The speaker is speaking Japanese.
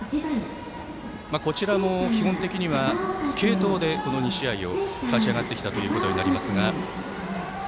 こちらも基本的には継投でこの２試合を勝ち上がってきたということになりますが。